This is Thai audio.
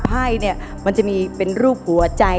ไพ่เนี่ยมันจะมีเป็นรูปหัวใจ